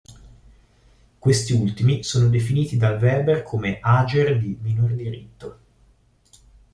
Questi ultimi sono definiti dal Weber come ager di "minor diritto".